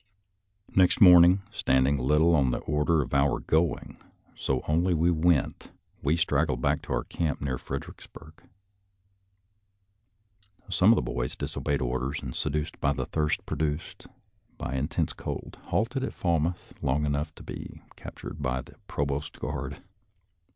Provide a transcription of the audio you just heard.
Next morning, stand ing little on the order of our going, so only we HUMOROUS INCIDENTS 31 went, we straggled back to our camp near Fred ericksburg. Some of the boys disobeyed orders, and seduced by the thirst produced by intense cold, halted in Falmouth long enough to be cap tured by the provost guard.